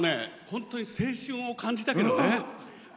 本当に青春を感じたね。